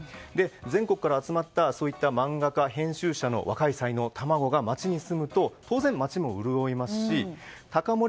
全国から集まった漫画家、編集者の若い才能、卵が町に住むと当然、町も潤いますし高森